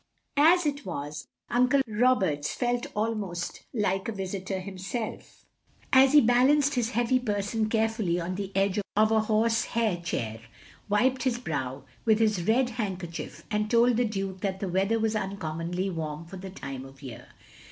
As it was. Uncle Roberts felt almost like a 378 THE LONELY LADY visitor nimself, as he balanced his heavy person carefully on the edge of a horsehair chair, wiped his brow with his red handkerchief and told the Duke that the weather was uncommonly warm for the time of year.